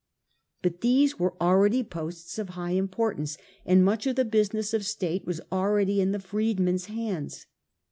But these were already posts of high importance, and much of the business of state was already in the freedmen^s hands.